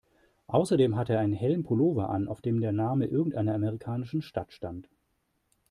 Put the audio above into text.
Außerdem hatte er einen hellen Pullover an, auf dem der Name irgendeiner amerikanischen Stadt stand.